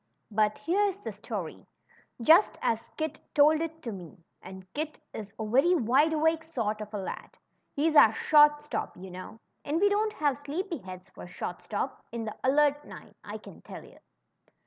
But here's the story, just as Kit told it to me ; and Kit is a very wide awake sort of a lad — he's our short stop, you know, and we don't have sleepy heads for short stop in the Alert Nine, I can tell you.